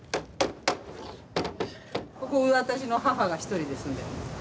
ここ私の母が一人で住んでる。